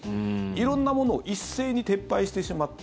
色んなものを一斉に撤廃してしまった。